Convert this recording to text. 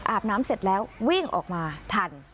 อาบน้ำเสร็จแล้ววิ่งออกมาทัน